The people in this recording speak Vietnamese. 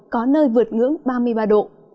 có nơi vượt ngưỡng ba mươi ba độ